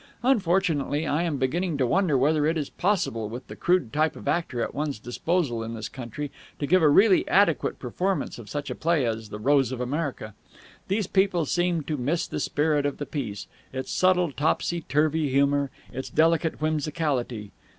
Unfortunately, I am beginning to wonder whether it is possible, with the crude type of actor at one's disposal in this country, to give a really adequate performance of such a play as 'The Rose of America.' These people seem to miss the spirit of the piece, its subtle topsy turvy humour, its delicate whimsicality.